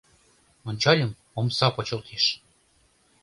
Ончальым: омса почылтеш.